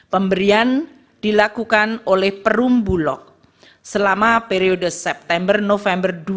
pemberian dilakukan oleh perumbulok selama periode september november dua ribu dua puluh